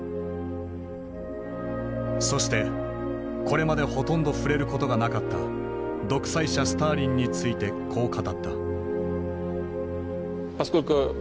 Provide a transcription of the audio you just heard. そしてこれまでほとんど触れることがなかった独裁者スターリンについてこう語った。